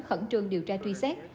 khẩn trương điều tra truy xét